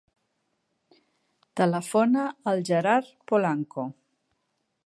Telefona al Gerard Polanco.